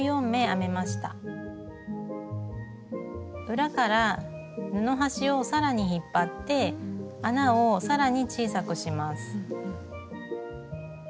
裏から布端を更に引っ張って穴を更に小さくします。